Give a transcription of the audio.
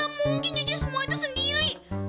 nggak mungkin cuci semua itu sendiri